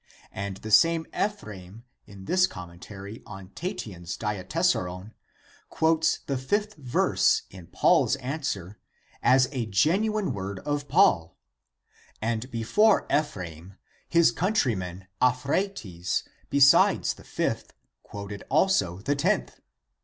And the same Ephrsem in his commentary on Tatian's Diatessaron,^ quotes the sth verse in Paul's answer as a genuine word of Paul, and before Ephrsem his countryman Aphraates be sides the fifth quoted also the tenth.